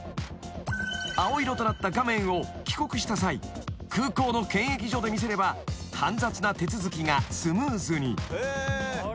［青色となった画面を帰国した際空港の検疫所で見せれば煩雑な手続きがスムーズに］